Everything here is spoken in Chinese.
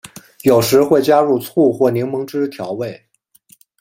有时会加入醋或柠檬汁调味。